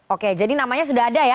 oke jadi namanya sudah ada ya